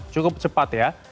cukup cepat ya